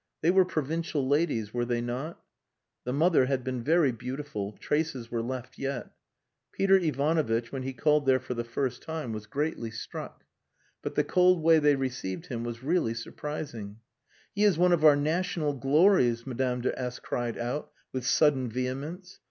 They were provincial ladies were they not? The mother had been very beautiful traces were left yet. Peter Ivanovitch, when he called there for the first time, was greatly struck....But the cold way they received him was really surprising. "He is one of our national glories," Madams de S cried out, with sudden vehemence.